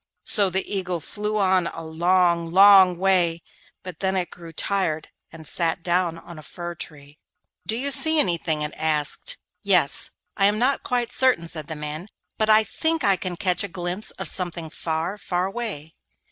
So the Eagle flew on a long, long way, but then it grew tired and sat down on a fir tree. 'Do you see anything?' it asked. 'Yes; I am not quite certain,' said the man, 'but I think I can catch a glimpse of something far, far away.